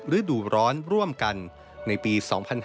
ฤดูร้อนร่วมกันในปี๒๕๕๙